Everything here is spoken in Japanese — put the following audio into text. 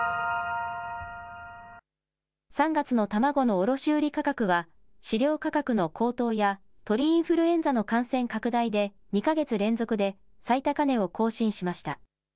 ３月の卵の卸売り価格は、飼料価格の高騰や鳥インフルエンザの感染拡大で、２か月連続で最高値を更新しました。